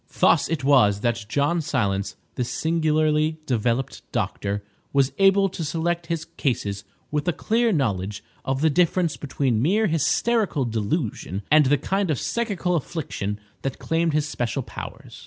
Thus it was that John Silence, this singularly developed doctor, was able to select his cases with a clear knowledge of the difference between mere hysterical delusion and the kind of psychical affliction that claimed his special powers.